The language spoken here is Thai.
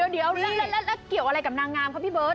เดี๋ยวเกี่ยวอะไรกับนางงามครับพี่เบิร์